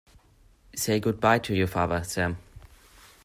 Say good-bye to your father, Sam.